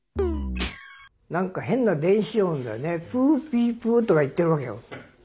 何か変な電子音がねプーピープーとかいってるわけよ。